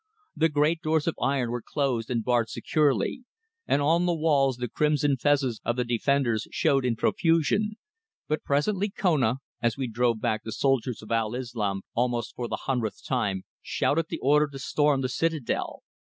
The great doors of iron were closed and barred securely, and on the walls the crimson fezes of the defenders showed in profusion, but presently Kona, as we drove back the soldiers of Al Islâm almost for the hundredth time, shouted the order to storm the citadel.